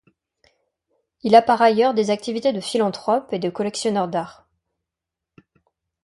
Il a par ailleurs des activités de philanthrope et de collectionneur d'art.